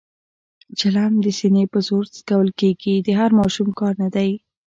چلم د سینې په زور څکول کېږي، د هر ماشوم کار نه دی.